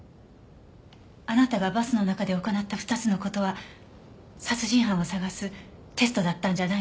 あなたがバスの中で行った２つの事は殺人犯を探すテストだったんじゃないんですか？